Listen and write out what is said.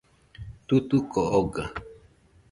Tutuko oga